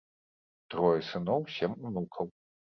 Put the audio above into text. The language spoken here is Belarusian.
Трое сыноў, сем унукаў.